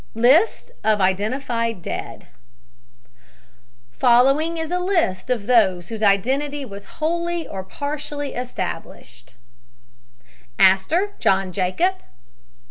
} LIST OF IDENTIFIED DEAD Following is a list of those whose identity was wholly or partially established: ASTOR, JOHN JACOB.